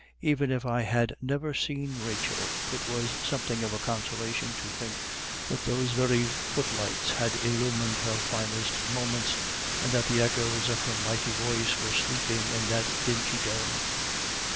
Even if I had never seen Rachel, it was something of a consolation to think that those very footlights had illumined her finest moments and that the echoes of her mighty voice were sleeping in that dingy dome.